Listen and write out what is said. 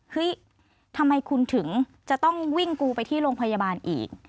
เฮ้ยทำไมคุณถึงจะต้องวิ่งกูไปที่โรงพยาบาลอีก